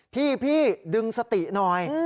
พี่ดึงสติหน่อย